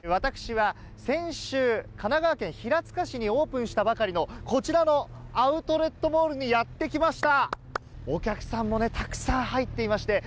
私は先週、神奈川県平塚市にオープンしたばかりのアウトレットモールにやってきました！